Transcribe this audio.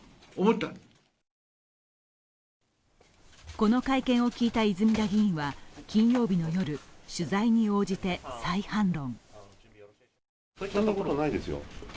この会見を聞いた泉田議員は、金曜日の夜、取材に応じて再反論。